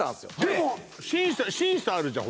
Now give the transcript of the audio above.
でも審査あるじゃん